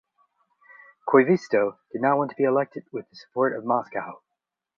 Koivisto did not want to be elected with the support of Moscow.